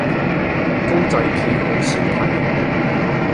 公仔片好少睇